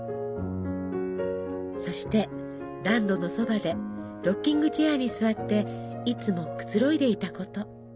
そして暖炉のそばでロッキングチェアに座っていつもくつろいでいたこと。